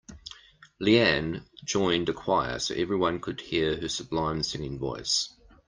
Leanne joined a choir so everyone could hear her sublime singing voice.